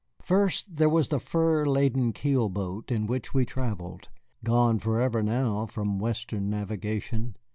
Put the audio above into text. First, there was the fur laden keel boat in which we travelled, gone forever now from Western navigation.